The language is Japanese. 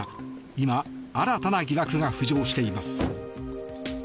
今、新たな疑惑が浮上しています。